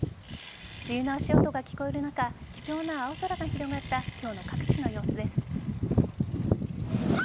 梅雨の足音が聞こえる中貴重な青空が広がった今日の各地の様子です。